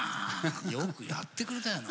よくやってくれたよな。